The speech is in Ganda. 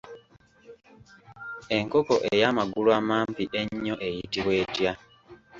Enkoko ey’amagulu amampi ennyo eyitibwa etya?